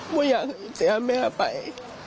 ไม่อยากเสียแม่ไป